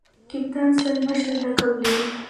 کپتان سل مشر لقب لري.